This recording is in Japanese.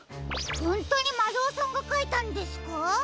ほんとにまるおさんがかいたんですか？